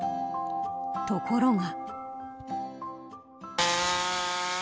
ところが。